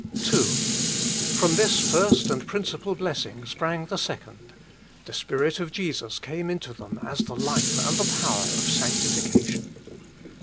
II From this first and principal blessing sprang the second : the Spirit of Jesus came into them as the life and the power of sanctification.